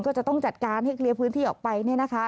ก็จะต้องจัดการให้เคลียร์พื้นที่ออกไปเนี่ยนะคะ